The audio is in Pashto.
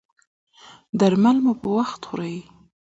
درمل مو په وخت خورئ؟